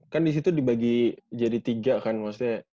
kan di situ dibagi jadi tiga kan maksudnya